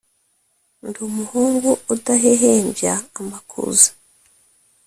Ndi umuhungu udahehembya amakuza